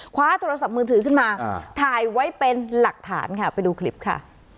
ขวาสัตว์เมืองถือขึ้นมาทายไว้เป็นหลักฐานไปดูคลิปค่ะ